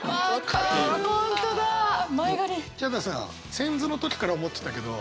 仙豆の時から思ってたけど